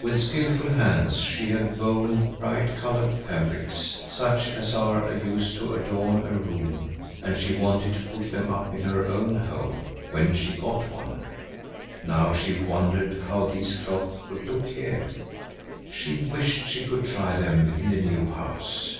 With skilful hands she had woven bright colored fabrics, such as are used to adorn a room, and she wanted to put them up in her own home, when she got one. Now she wondered how those cloths would look here. She wished she could try them in the new house.